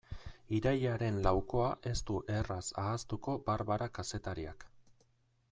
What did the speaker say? Irailaren laukoa ez du erraz ahaztuko Barbara kazetariak.